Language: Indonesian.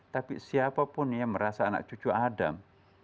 tapi siapa pun yang merasa anak cucu adam